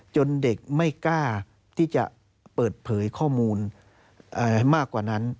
เด็กไม่กล้าที่จะเปิดเผยข้อมูลมากกว่านั้น